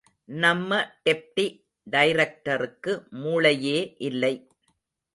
நம்ம டெப்டி டைரக்டருக்கு மூளையே இல்லை.